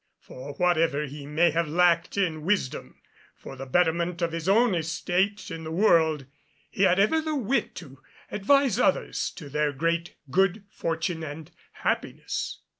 For whatever he may have lacked in wisdom for the betterment of his own estate in the world, he had ever the wit to advise others to their great good fortune and happiness.